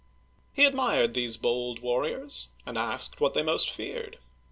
He admired these bold warriors, and asked what they most feared.